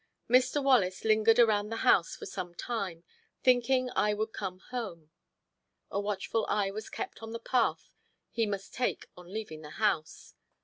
Mr. Wallace lingered around the house for some time, thinking I would come home. A watchful eye was kept on the path he must take on leaving the house.